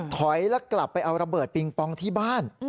ถอยแล้วกลับไปเอาระเบิดปิงปองที่บ้าน